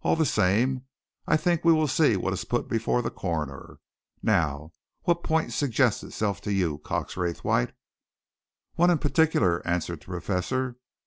All the same, I think we will see what is put before the coroner. Now, what point suggests itself to you, Cox Raythwaite?" "One in particular," answered the Professor.